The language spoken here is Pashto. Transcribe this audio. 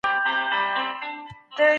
مشاورین به نوي تړونونه لاسلیک کړي.